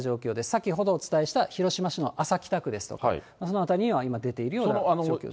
先ほどお伝えした、広島市の安佐北区ですとか、その辺りには今、出ているような状況